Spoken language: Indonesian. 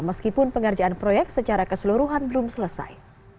meskipun pengerjaan proyek secara keseluruhan belum selesai